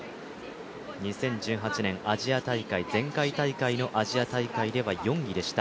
２０１８年前回大会のアジア大会では４位でした、